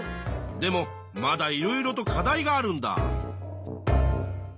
でもまだいろいろと課題があるんだ。